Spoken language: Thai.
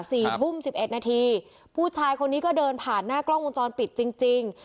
สี่ทุ่มสิบเอ็ดนาทีผู้ชายคนนี้ก็เดินผ่านหน้ากล้องวงจรปิดจริงจริง